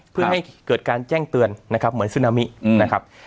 เพื่อให้เกิดการแจ้งเตือนนะครับเหมือนซึนามินะครับ